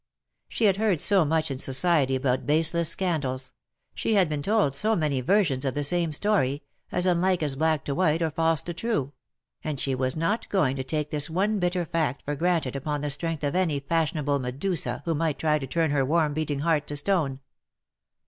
She had heard so much in society about baseless scandals — she had been told so many versions of the same story — as unlike as black to white or false to true — and she was not going to take this one bitter fact for granted upon the strength of any fashionable Medusa who might try to turn her warm beating heart to stone.